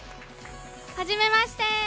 はじめまして。